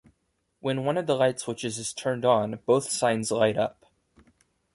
When one of the light switches is turned on, both signs light up.